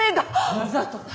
わざとだ。